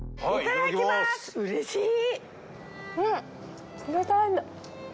うれしい。